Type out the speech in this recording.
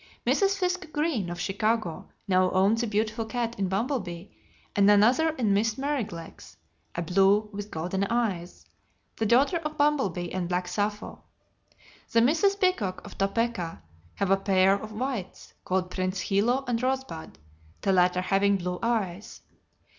Mrs. Fisk Greene, of Chicago, now owns a beautiful cat in Bumble Bee, and another in Miss Merrylegs, a blue with golden eyes, the daughter of Bumble Bee and Black Sapho. The Misses Peacock, of Topeka, have a pair of whites called Prince Hilo and Rosebud, the latter having blue eyes.